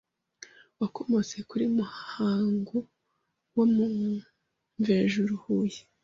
Wakomotse kuri Muhangu wo mu Mvejuru (Huye)